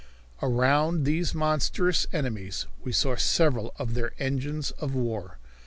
Around these monstrous enemies we saw several of their engines of war.